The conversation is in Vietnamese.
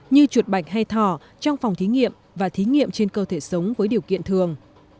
như chuột bạch hay thỏ trong phòng thí nghiệm và thí nghiệm trên cơ thể sống với điều kiện thường